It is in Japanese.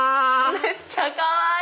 めっちゃかわいい！